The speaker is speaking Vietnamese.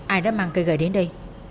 ai đã mang cây gậy đến đây